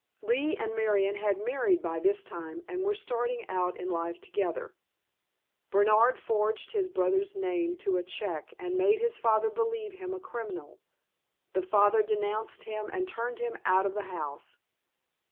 Lee and Marion had married by this time, and were starting out in life together. Bernard forged his brother's name to a check, and made his father believe him a criminal. The father denounced him and turned him out of the house.